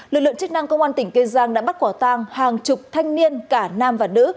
lực lượng chức năng công an tỉnh kiên giang đã bắt quả tang hàng chục thanh niên cả nam và nữ